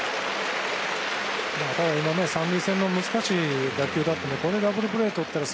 今、三塁線の難しい打球だったんでこれダブルプレーとったら